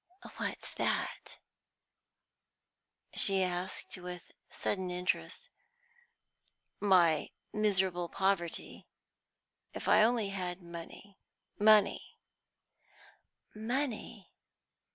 "What's that?" she asked, with sudden interest. "My miserable poverty. If I only had money money" "Money!"